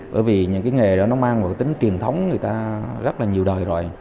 bởi vì những cái nghề đó nó mang một cái tính truyền thống người ta rất là nhiều đời rồi